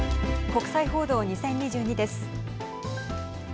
国際報道２０２２です。